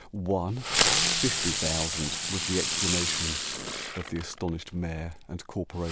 "One? fifty thousand!" was the exclamation Of the astonished Mayor and Corporation.